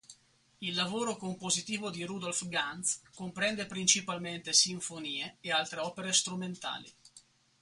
Il lavoro compositivo di Rudolph Ganz comprende principalmente sinfonie e altre opere strumentali.